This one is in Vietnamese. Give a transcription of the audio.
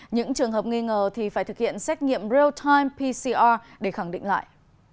những trường hợp nghi ngờ thì phải thực hiện xét nghiệm real time pcr để khẳng định lại